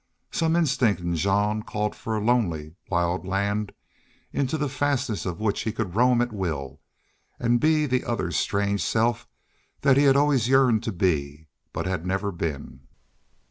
Some instinct in Jean called for a lonely, wild land, into the fastnesses of which he could roam at will and be the other strange self that he had always yearned to be but had never been.